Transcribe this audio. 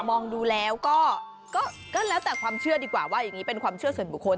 มองดูแล้วก็ก็แล้วแต่ความเชื่อดีกว่าว่าอย่างนี้เป็นความเชื่อส่วนบุคคล